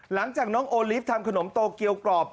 หลังจากน้องโอลิฟต์ทำขนมโตเกียวกรอบ